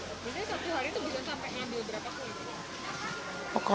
jadi satu hari itu bisa sampai ngambil berapa